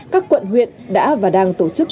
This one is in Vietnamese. các quận huyện đã và đang tổ chức